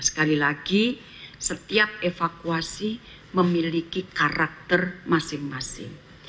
sekali lagi setiap evakuasi memiliki karakter masing masing